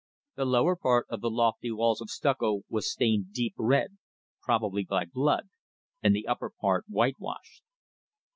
The lower part of the lofty walls of stucco was stained deep red, probably by blood, and the upper part whitewashed.